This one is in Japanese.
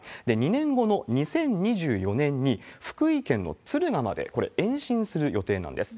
２年後の２０２４年に、福井県の敦賀まで、これ、延伸する予定なんです。